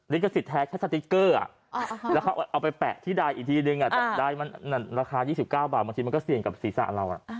ลิขสิทธิแท้แค่สติ๊กเกอร์แล้วเขาเอาไปแปะที่ใดอีกทีนึงได้มันราคา๒๙บาทบางทีมันก็เสี่ยงกับศีรษะเรา